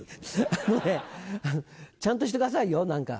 あのねちゃんとしてくださいよ何か。